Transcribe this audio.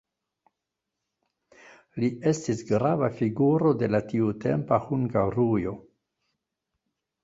Li estis grava figuro de la tiutempa Hungarujo.